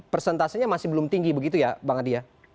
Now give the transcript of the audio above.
persentasenya masih belum tinggi begitu ya bang adia